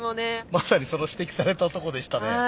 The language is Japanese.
まさにその指摘されたとこでしたね。